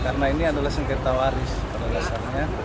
karena ini adalah sengketa waris pada dasarnya